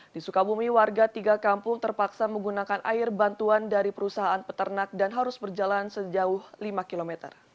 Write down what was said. di sukabumi warga tiga kampung terpaksa menggunakan air bantuan dari perusahaan peternak dan harus berjalan sejauh lima km